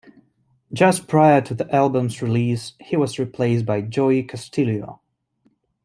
Just prior to the album's release he was replaced by Joey Castillo.